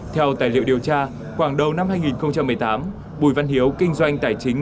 theo tài liệu điều tra khoảng đầu năm hai nghìn một mươi tám bùi văn hiếu kinh doanh tài chính